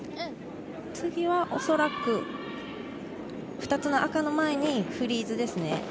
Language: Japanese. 次はおそらく２つの赤の前にフリーズです。